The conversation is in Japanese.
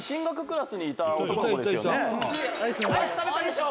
「アイス食べたでしょ！」